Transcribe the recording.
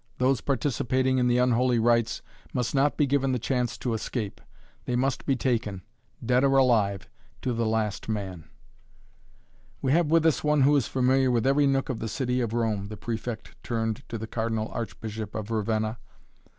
Those participating in the unholy rites must not be given the chance to escape. They must be taken, dead or alive, to the last man. "We have with us one who is familiar with every nook in the city of Rome," the Prefect turned to the Cardinal Archbishop of Ravenna.